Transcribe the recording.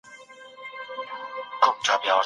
عدل د ظلم مخه نیسي.